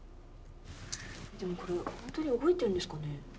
でもこれ本当に動いてるんですかね？